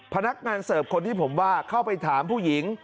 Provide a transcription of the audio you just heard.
พนักงานเสิร์ฟคนที่ผมว่าเข้าไปถามผู้หญิง